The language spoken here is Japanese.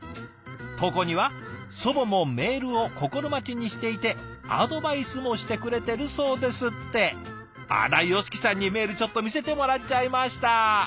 投稿には「祖母もメールを心待ちにしていてアドバイスもしてくれてるそうです」ってあらヨシキさんにメールちょっと見せてもらっちゃいました。